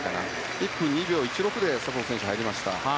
１分２秒１６で佐藤選手が入りました。